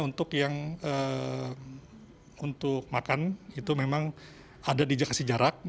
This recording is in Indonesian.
untuk yang untuk makan itu memang ada di jakasi jarak